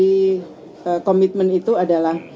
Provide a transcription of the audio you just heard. inti dari komitmen itu adalah